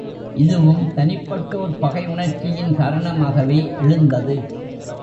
இதுவும் தனிப்பட்டோர் பகையுணர்ச்சியின் காரணமாகவே எழுந்தது.